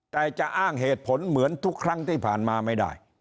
แต่จะอ้างเหตุผลเหมือนทุกครั้งที่ผ่านมาไม่ได้